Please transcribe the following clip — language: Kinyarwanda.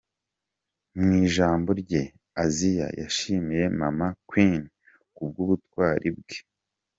Mu ijambo rye, Assia yashimiye Mama Queen kubw'ubutwari bwe.